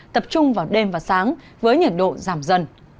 tập trung vào đêm và sáng với nhiệt độ giảm dần